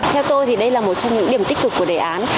theo tôi thì đây là một trong những điểm tích cực của đề án